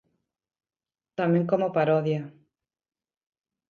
Tamén como parodia.